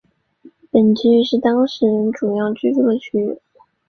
本区域是当时人主要的居住区域。